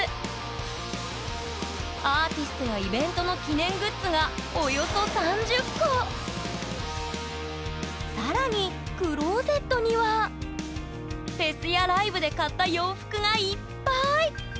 アーティストやイベントの記念グッズが更にクローゼットにはフェスやライブで買った洋服がいっぱい！